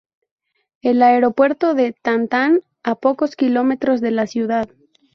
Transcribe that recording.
El aeropuerto de Tan-Tan, a pocos kilómetros de la ciudad.